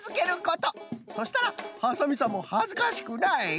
そしたらハサミさんもはずかしくない。